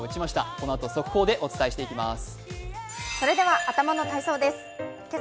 このあと速報でお伝えしていきます。